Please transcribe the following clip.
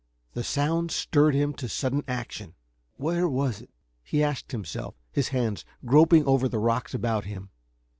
The sound stirred him to sudden action. "Where was it?" he asked himself, his hands groping over the rocks about him.